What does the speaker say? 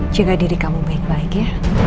jaga diri kamu baik baik ya